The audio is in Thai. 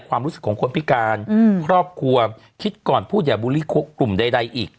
ความรู้สึกของคนพิการครอบครัวคิดก่อนพูดอย่าบูลลี่คุกลุ่มใดอีก